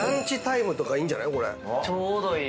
ちょうどいい。